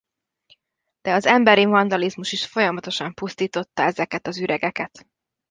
De az emberi vandalizmus is folyamatosan pusztította ezeket az üregeket.